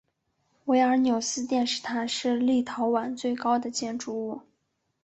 维尔纽斯电视塔是立陶宛最高的建筑物。